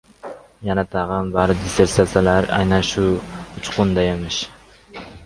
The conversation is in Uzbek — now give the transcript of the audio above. Yana-tag‘in — bari dissertatsiyalar ayni ana shu urchuqlar haqida emish!